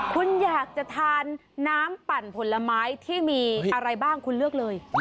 คุณอยากจะทานน้ำปั่นผลไม้ที่มีอะไรบ้างคุณเลือกเลย